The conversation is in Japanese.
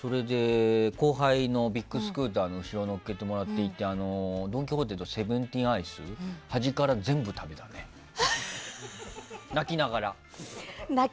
後輩のビッグスクーターの後ろに乗っけてもらってドン・キホーテのセブンティーンアイス端から全部食べたね、泣きながら。